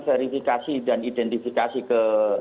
verifikasi dan identifikasi ke